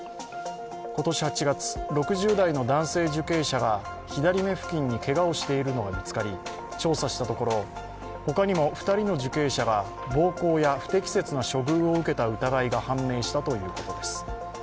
今年８月、６０代の男性受刑者が左目付近にけがをしているのが見つかり、調査したところ、ほかにも２人の受刑者が暴行や不適切な処遇を受けた疑いが判明したということです。